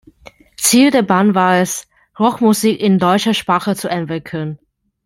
Ziel der Band war es, Rockmusik in deutscher Sprache zu entwickeln.